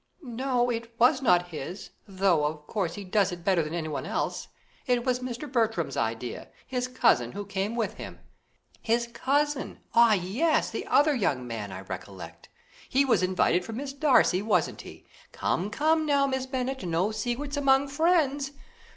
"No, it was not his; though, of course, he does it better than anyone else. It was Mr. Bertram's idea his cousin, who came with him." "His cousin! Ah, yes, the other young man, I recollect. He was invited for Miss Darcy, wasn't he? Come, come, now, Miss Bennet, no secrets among friends."